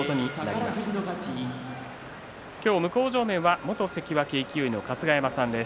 向正面元関脇勢の春日山さんです。